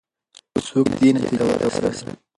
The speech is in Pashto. څوک دې نتیجې ته ورسېدل؟